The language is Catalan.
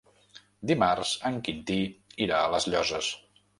Dimarts en Quintí irà a les Llosses.